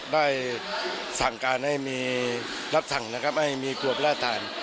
ได้สั่งการให้มีรับสั่งนะครับให้มีกรวบล่าตาล